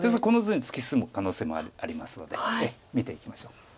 この図に突き進む可能性もありますので見ていきましょう。